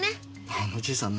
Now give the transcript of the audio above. あのじいさんな。